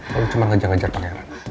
lo cuma ngejar ngejar pangeran